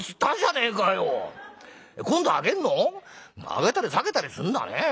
上げたり下げたりすんだねえ。